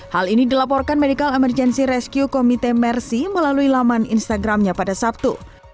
hal ini dilaporkan medical emergency rescue komite mercy melalui laman instagramnya pada sabtu